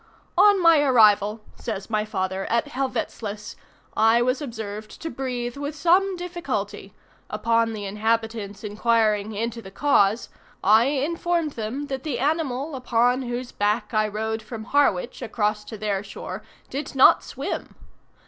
"On my arrival," says my father, "at Helvoetsluys, I was observed to breathe with some difficulty; upon the inhabitants inquiring into the cause, I informed them that the animal upon whose back I rode from Harwich across to their shore did not swim!